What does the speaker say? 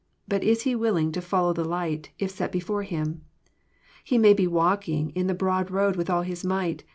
But is he willing to follow the light, if set before him? He may be walking in the broad road with all his might.